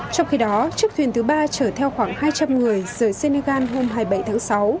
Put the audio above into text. trong khi đó chiếc thuyền thứ ba chở theo khoảng hai trăm linh người rời senegal hôm hai mươi bảy tháng sáu